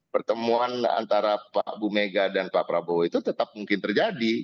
pertemuan antara pak bu mega dan pak prabowo itu tetap mungkin terjadi